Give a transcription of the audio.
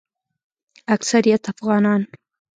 اکثریت افغانان